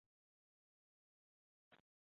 水涯狡蛛为盗蛛科狡蛛属的动物。